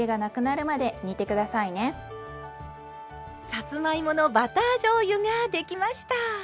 さつまいものバターじょうゆができました。